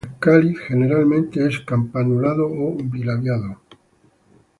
El cáliz generalmente es campanulado o bilabiado.